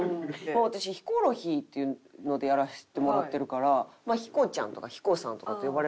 私ヒコロヒーっていうのでやらせてもらってるから「ヒコちゃん」とか「ヒコさん」とかって呼ばれる事あるけど。